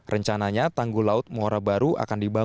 rencananya tanggul laut muara baru akan dibangun